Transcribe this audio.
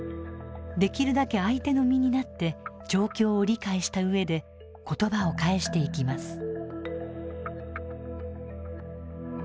できるだけ相手の身になって状況を理解した上で言葉を返していきます。